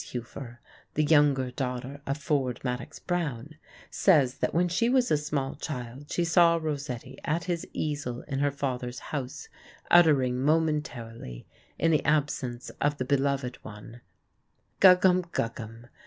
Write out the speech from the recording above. Hueffer, the younger daughter of Ford Madox Brown, says that when she was a small child she saw Rossetti at his easel in her father's house uttering momentarily, in the absence of the beloved one, "Guggum, Guggum!"